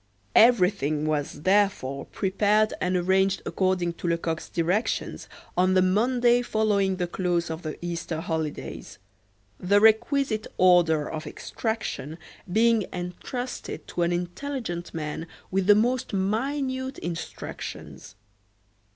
Everything was, therefore, prepared and arranged according to Lecoq's directions on the Monday following the close of the Easter holidays; the requisite "order of extraction" being entrusted to an intelligent man with the most minute instructions.